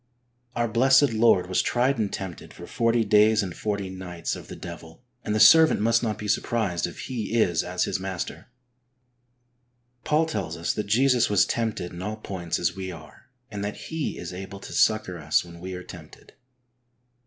Our Blessed Lord was tried and tempted for forty days 8 HEART TALKS ON HOLINESS. and forty nights of the devil, and the servant must not be surprised if he is as his Master. Paul tells us that Jesus was tempted in all points as we are, and that He is able to succour us when we are tempted.